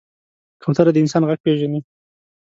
کوتره د انسان غږ پېژني.